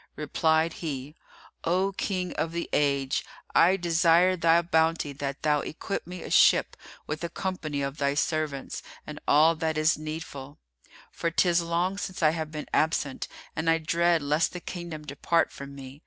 Replied he, "O King of the Age, I desire thy bounty that thou equip me a ship with a company of thy servants and all that is needful; for 'tis long since I have been absent and I dread lest the kingdom depart from me.